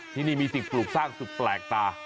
ที่นี่มีสิ่งปลูกสร้างสุดแปลกตา